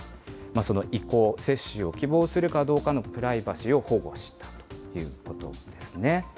その意向、接種を希望するかどうかのプライバシーを保護したということですね。